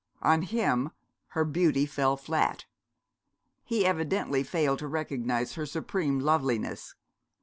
On him her beauty fell flat. He evidently failed to recognise her supreme loveliness.